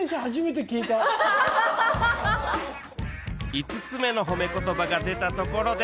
５つ目の褒め言葉が出たところで